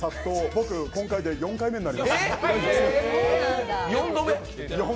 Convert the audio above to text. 僕、今回で４回目になります。